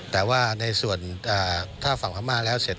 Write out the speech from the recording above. แต่ว่าในส่วนถ้าฝั่งพม่าแล้วเสร็จ